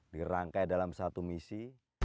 dirangkai dalam satu misi